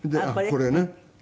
これね。